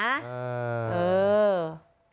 เออ